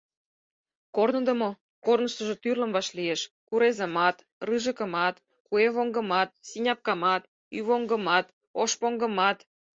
Корныдымо корныштыжо тӱрлым вашлиеш: курезымат, рыжыкымат, куэвоҥгымат, синяпкамат, ӱйвоҥгымат, ошпоҥгымат...